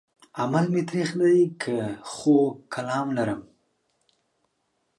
عمل مې تريخ دی که خوږ کلام لرم